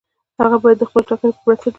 هغه باید د خپلې ټاکنې پر بنسټ وي.